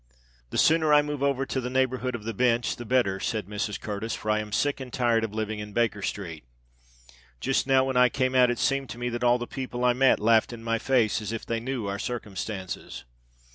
"The sooner I move over to the neighbourhood of the Bench, the better," said Mrs. Curtis; "for I am sick and tired of living in Baker Street. Just now, when I came out, it seemed to me that all the people I met laughed in my face, as if they knew our circumstances."